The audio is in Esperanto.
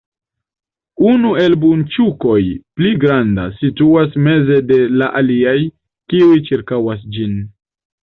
Unu el bunĉukoj, pli granda, situas meze de la aliaj, kiuj ĉirkaŭas ĝin.